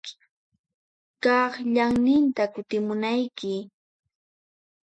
Kaq ñanninta kutimunayki.